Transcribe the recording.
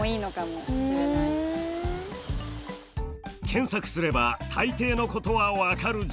検索すれば大抵のことは分かる時代。